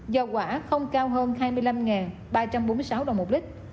do quả không cao hơn hai mươi năm ba trăm bốn mươi sáu đồng một lít